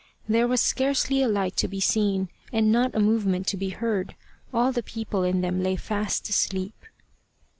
There was scarcely a light to be seen, and not a movement to be heard: all the people in them lay fast asleep.